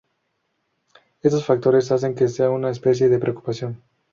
Estos factores hacen que sea una especie de preocupación.